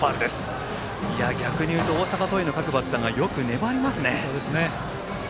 逆にいうと大阪桐蔭の各バッターがよく粘りますね。